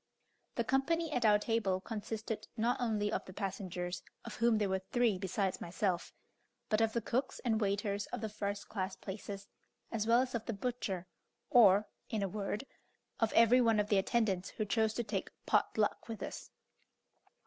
The company at our table consisted not only of the passengers, of whom there were three besides myself, but of the cooks and waiters of the first class places, as well as of the butcher; or, in a word, of every one of the attendants who chose to take "pot luck" with us.